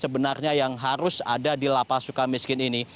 sebenarnya yang harus ada di lapas suka miskin ini